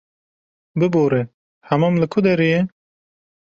Bibore, hemam li ku derê ye?